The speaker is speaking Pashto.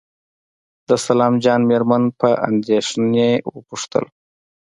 د سلام جان مېرمن په اندېښنه وپوښتل.